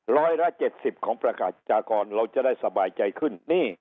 ร้อยละ๗๐ของประกาศจากกรเราจะได้สบายใจขึ้น